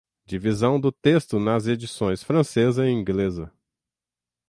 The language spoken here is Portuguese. Divisão do texto nas edições francesa e inglesa